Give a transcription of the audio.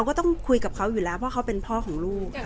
แต่ว่าสามีด้วยคือเราอยู่บ้านเดิมแต่ว่าสามีด้วยคือเราอยู่บ้านเดิม